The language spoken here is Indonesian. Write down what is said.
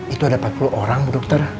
itu ada empat puluh orang dokter